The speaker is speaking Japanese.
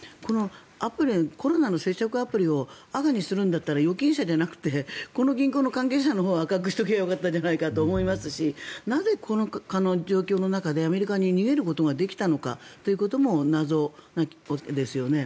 アプリはコロナの接触アプリを赤にするんだったら預金者じゃなくてこの銀行の関係者のほうを赤くしておけばよかったじゃないかという気がしますしなぜ、この状況の中でアメリカに逃げることができたのかも謎ですよね。